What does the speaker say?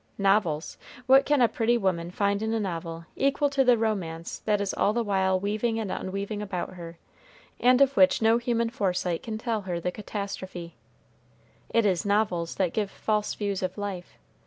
Novels! What can a pretty woman find in a novel equal to the romance that is all the while weaving and unweaving about her, and of which no human foresight can tell her the catastrophe? It is novels that give false views of life.